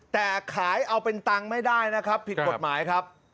แต่ขายเอาเป็นตังค์ไม่ได้นะครับผิดกฎหมายครับ